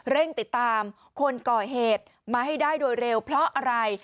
เร่งติดตามคนก่อเหตุมาให้ได้โดยเร็วเพราะอะไร